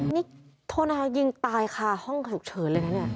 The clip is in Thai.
นี่โทนายิงตายคาห้องฉุกเฉินเลยนะเนี่ย